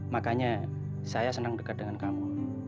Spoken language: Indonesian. makanya saya senang dekat dengan kamu